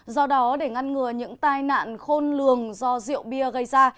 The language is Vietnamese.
do đó để ngăn ngừa những tai nạn khôn lường do rượu bia gây ra